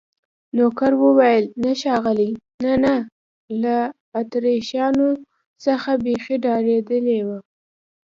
نوکر وویل: نه ښاغلي، نه، نه، له اتریشیانو څخه بیخي ډارېدلی و.